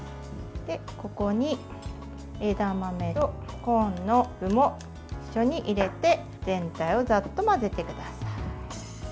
ここに枝豆とコーンの具も一緒に入れて全体をざっと混ぜてください。